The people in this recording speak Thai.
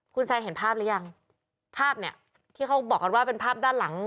คุณแซนเห็นภาพหรือยังภาพเนี่ยที่เขาบอกกันว่าเป็นภาพด้านหลัง